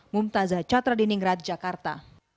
mumtazah catra diningrat jakarta